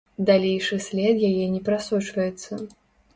Далейшы след яе не прасочваецца.